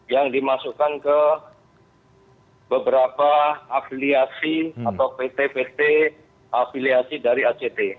yang dimasukkan ke beberapa afiliasi atau pt pt afiliasi dari act